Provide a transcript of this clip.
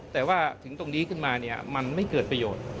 แต่ว่าถึงตรงนี้ขึ้นมาเนี่ยมันไม่เกิดประโยชน์